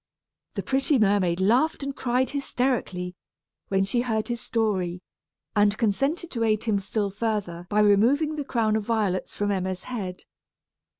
The pretty mermaid laughed and cried hysterically, when she heard his story, and consented to aid him still further by removing the crown of violets from Emma's head.